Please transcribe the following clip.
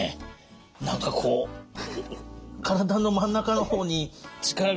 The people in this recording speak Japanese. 何かこう体の真ん中の方に力が入りますね。